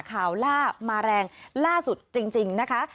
ล่ามาแรงล่าสุดจริงนะคะ